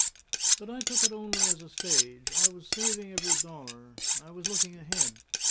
But I took it only as a stage. I was saving every dollar; I was looking ahead.